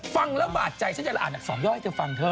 ฟังระบาดใจฉันจะอ่าน๒ย่อให้เธอฟังเถอะ